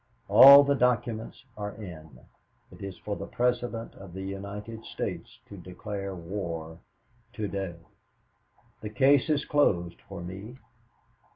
All the documents are in. It is for the President of the United States to declare war to day. "The case is closed for me.